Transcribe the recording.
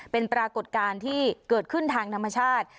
เป็นปรากฏการณ์ที่เกิดขึ้นทางธรรมชาติ